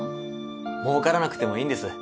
もうからなくてもいいんです